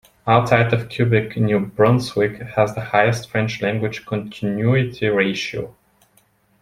Outside of Quebec, New Brunswick has the highest French language continuity ratio.